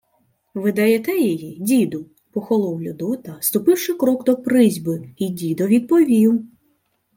— Видаєте її, діду? — похолов Людота, ступивши крок до присьпи, й дідо відповів: